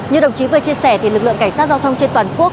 như đồng chí vừa chia sẻ thì lực lượng cảnh sát giao thông trên toàn quốc